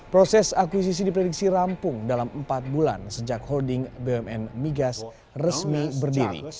proses akuisisi diprediksi rampung dalam empat bulan sejak holding bumn migas resmi berdiri